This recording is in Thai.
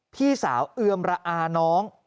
พี่สาวเอือมระอาน้อง